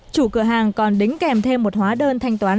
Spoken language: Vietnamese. chủ cửa hàng còn đính kèm thêm một hóa đơn thanh toán